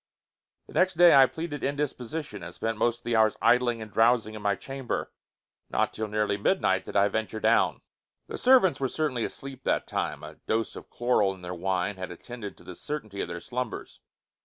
The next day I pleaded indisposition and spent most of the hours idling and drowsing in my chamber. Not till nearly midnight did I venture down. The servants were certainly asleep that time. A dose of chloral in their wine had attended to the certainty of their slumbers.